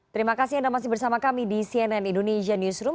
terima kasih anda masih bersama kami di cnn indonesia newsroom